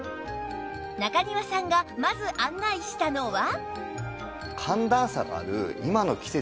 中庭さんがまず案内したのは